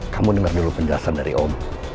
kamu dengar dulu penjelasan dari om